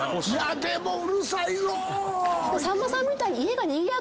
でもうるさいぞ。